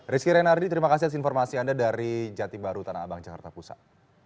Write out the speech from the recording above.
rizky renardi terima kasih atas informasi anda dari jati baru tanah abang jakarta pusat